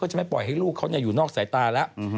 จะไม่ปล่อยให้ลูกเขาอยู่นอกสายตาแล้ว